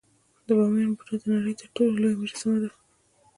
د بامیان بودا د نړۍ تر ټولو لویه مجسمه وه